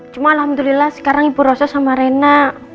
cuma alhamdulillah sekarang ibu rosa sama rena